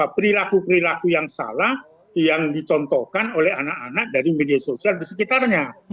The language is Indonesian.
perilaku perilaku yang salah yang dicontohkan oleh anak anak dari media sosial di sekitarnya